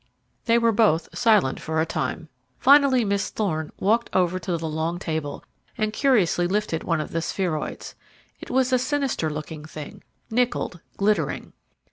They were both silent for a time. Finally Miss Thorne walked over to the long table and curiously lifted one of the spheroids. It was a sinister looking thing, nickeled, glittering.